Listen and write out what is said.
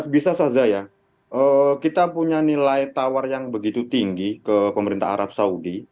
bisa saja ya kita punya nilai tawar yang begitu tinggi ke pemerintah arab saudi